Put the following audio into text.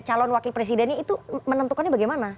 calon wakil presidennya itu menentukannya bagaimana